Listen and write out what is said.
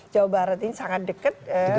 jawa barat ini sangat dekat